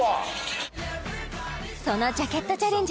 そのジャケットチャレンジ